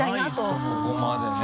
ここまでね